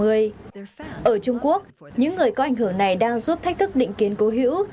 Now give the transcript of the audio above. ở trung quốc những người có ảnh hưởng này đang giúp thách thức định kiến cố hữu